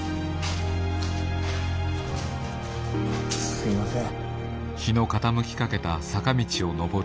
すいません。